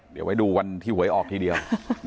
เดี๋ยวไว้ดูวันที่หวยออกทีเดียว